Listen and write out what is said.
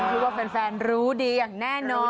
คงคิดว่าแฟนรู้อย่างแน่นอน